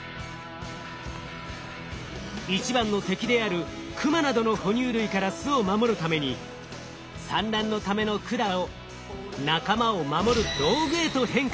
一番の敵である熊などの哺乳類から巣を守るために産卵のための管を仲間を守る道具へと変化させました。